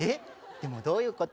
でもどういうこと？